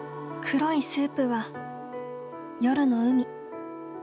黒いスープは夜の海。